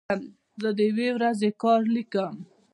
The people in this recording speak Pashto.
زه د یوې ورځې کار لیکم.